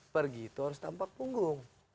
pergi itu harus tampak punggung